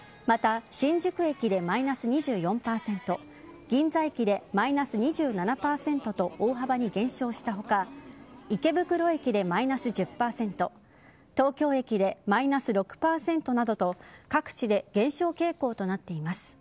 また新宿駅でマイナス２４％銀座駅でマイナス２７％と大幅に減少した他池袋駅でマイナス１０％東京駅でマイナス６％などと各地で減少傾向となっています。